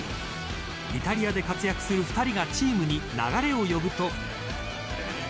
イタリアで活躍する２人がチームに流れを呼ぶと。